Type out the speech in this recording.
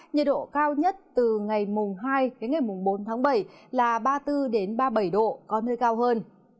nhiệt độ cao nhất từ ngày mùng hai đến ngày mùng bốn tháng bảy là ba mươi bốn ba mươi bảy độ có nơi cao hơn